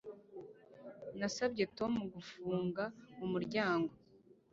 Nasabye Tom gufunga umuryango